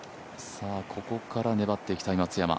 ここから粘っていきたい松山。